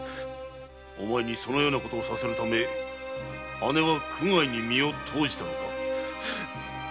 お前にそんなことをさせるため姉は苦界に身を投じたのか？